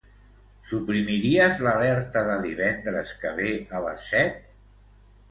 Suprimiries l'alerta de divendres que ve a les set?